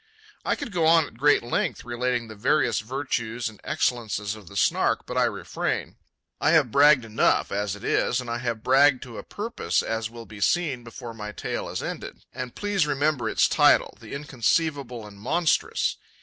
I could go on at great length relating the various virtues and excellences of the Snark, but I refrain. I have bragged enough as it is, and I have bragged to a purpose, as will be seen before my tale is ended. And please remember its title, "The Inconceivable and Monstrous."